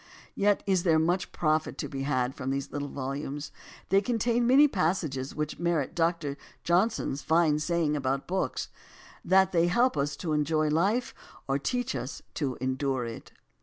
Yet is there much profit to be had from these little volumes. They contain many passages which merit Doctor Johnson's fine saying about books: "That they help us to enjoy life or teach us to endure it."